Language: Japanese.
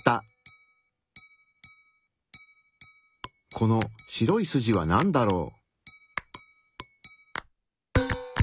この白い筋はなんだろう？